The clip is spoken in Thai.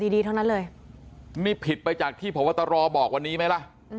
ดีทั้งนั้นเลยนี่ผิดไปจากที่พบตรบอกวันนี้ไหมล่ะ